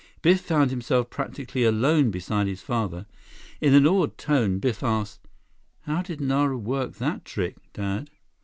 Biff found himself practically alone beside his father. In an awed tone, Biff asked, "How did Nara work that trick, Dad?"